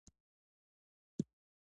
غلام سپي ته په ډېر شفقت او نرمۍ سره کتل.